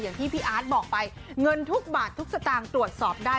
อย่างที่พี่อาร์ตบอกไปเงินทุกบาททุกสตางค์ตรวจสอบได้